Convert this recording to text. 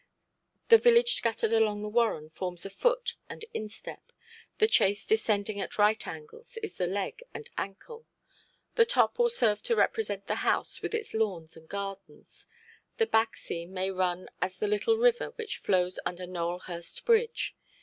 The village scattered along the warren forms the foot and instep, the chase descending at right angles is the leg and ankle, the top will serve to represent the house with its lawns and gardens, the back seam may run as the little river which flows under Nowelhurst bridge.